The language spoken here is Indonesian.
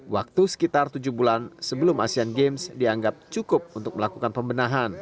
waktu sekitar tujuh bulan sebelum asean games dianggap cukup untuk melakukan pembenahan